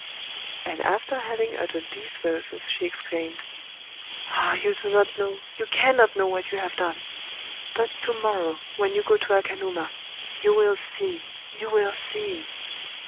_] And after having uttered these verses she exclaimed:—"Ah, you do not know—you cannot know what you have done! But to morrow, when you go to Akanuma, you will see,—you will see..."